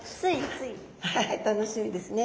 はい楽しみですね！